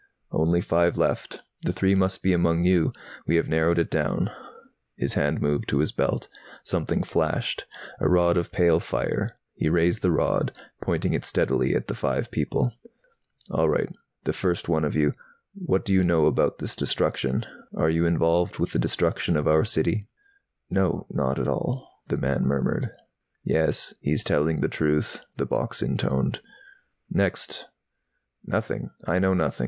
"Only five left. The three must be among you. We have narrowed it down." His hand moved to his belt. Something flashed, a rod of pale fire. He raised the rod, pointing it steadily at the five people. "All right, the first one of you. What do you know about this destruction? Are you involved with the destruction of our city?" "No, not at all," the man murmured. "Yes, he's telling the truth," the box intoned. "Next!" "Nothing I know nothing.